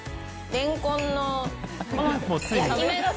れんこんのこの。